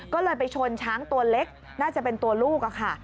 ก็เลยไปชนช้างตัวเล็กน่าจะเป็นตัวลูกค่ะ